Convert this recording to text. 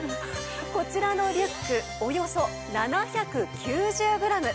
こちらのリュックおよそ７９０グラム。